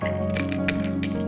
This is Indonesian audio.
tidak ada yang baik